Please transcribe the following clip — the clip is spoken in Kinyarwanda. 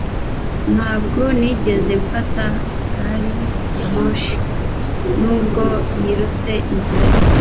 Ntabwo nigeze mfata gari ya moshi, nubwo nirutse inzira yose.